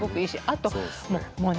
あともうね。